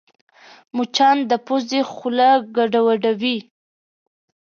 مچان د پوزې خوله ګډوډوي